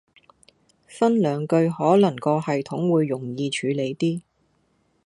分兩句可能個系統會容易處理啲